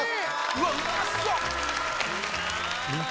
・うわうまそう！